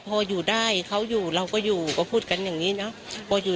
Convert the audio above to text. พออยู่ได้เขาอยู่เราก็อยู่ก็พูดกันอย่างนี้เนอะพออยู่